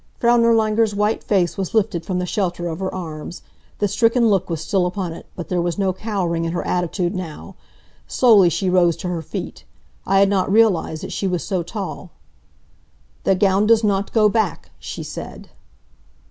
Frau Nirlanger's white face was lifted from the shelter of her arms. The stricken look was still upon it, but there was no cowering in her attitude now. Slowly she rose to her feet. I had not realized that she was so tall. "The gown does not go back," she said.